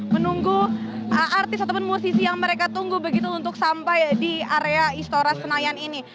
menunggu artis ataupun musisi yang mereka tunggu begitu untuk sampai di area istora senayan ini